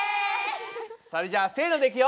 それじゃあせのでいくよ！